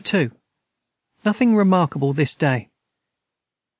Nothing remarkable this day.